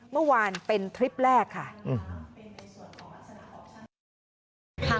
เมื่อวานเป็นทริปแรกค่ะ